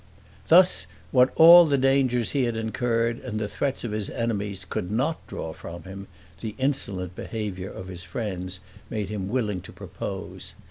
Thus, what all the dangers he had incurred, and the threats of his enemies, could not draw from him, the insolent behavior of his friends made him willing to propose.